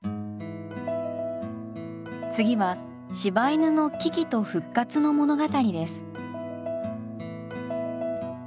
次は柴犬の危機と復活の物語です。